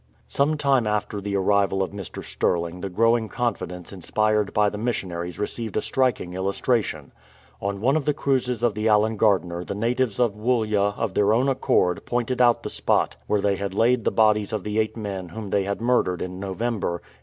Some time after the arrival of Mr. Stirling the growing confidence inspired by the missionaries received a striking illustration. On one of the cruises of the Allen Gardiner 266 THE GRAVES OF THE MARTYRS the natives of Woollya of their own accord pointed out the spot where they had laid the bodies of the eight men whom they had murdered in November, 1859.